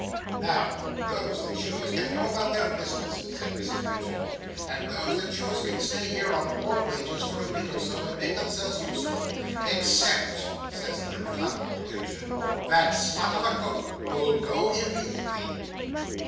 "Now those that choose, can go about their business," says Mrs Pipchin, "and those that choose can stay here on board wages for a week or so, and make themselves useful. Except," says the inflammable Pipchin, "that slut of a cook, who'll go immediately."